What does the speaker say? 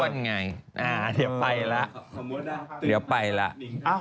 เข้าไปเหลียวไปเหล่ะ